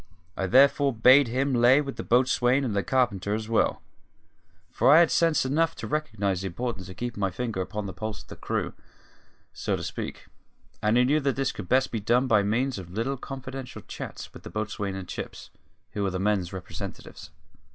I therefore bade him lay for the boatswain and the carpenter as well; for I had sense enough to recognise the importance of keeping my finger upon the pulse of the crew, so to speak, and I knew that this could best be done by means of little confidential chats with the boatswain and Chips, who were the men's representatives.